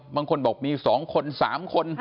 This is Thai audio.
บางคนบอกมี๒คน๓คน